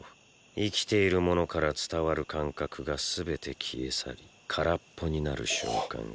生きているものから伝わる感覚が全て消え去り空っぽになる瞬間が。